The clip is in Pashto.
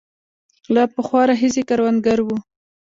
له پخوا راهیسې کروندګر وو.